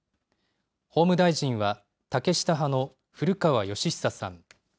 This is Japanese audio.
法務大臣は竹下派の古川禎久さん。